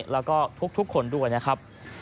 แล้วก็ทุกคนด้วยนะครับ